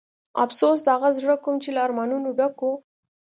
افسوس د هغه زړه کوم چې له ارمانونو ډک و.